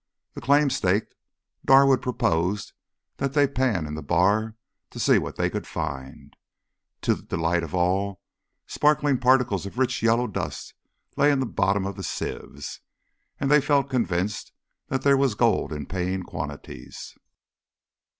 The claim staked, Darwood proposed that they pan in the bar to see what they could find. To the delight of all, sparkling particles of rich yellow dust lay in the bottoms of the sieves, and they felt convinced that there was gold in paying quantities.